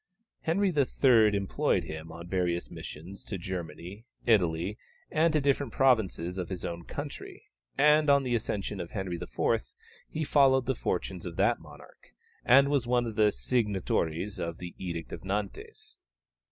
Henry III. employed him on various missions to Germany, Italy, and to different provinces of his own country, and on the accession of Henry IV. he followed the fortunes of that monarch, and was one of the signatories of the Edict of Nantes.